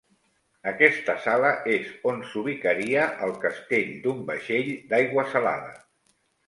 Aquesta sala és on s'ubicaria el castell d'un vaixell d'aigua salada.